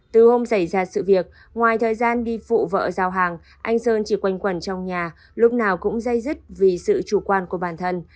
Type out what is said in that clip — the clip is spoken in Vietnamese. từ hôm xảy ra sự việc ngoài thời gian đi phụ vợ giao hàng anh sơn chỉ quanh quẩn trong nhà lúc nào cũng dây dứt vì sự chủ quan của bản thân